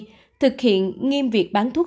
và thực hiện nghiêm việc bán thuốc